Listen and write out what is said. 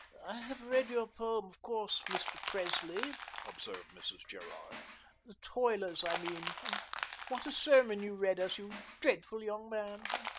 "I have read your poem, of course, Mr. Presley," observed Mrs. Gerard. "'The Toilers,' I mean. What a sermon you read us, you dreadful young man.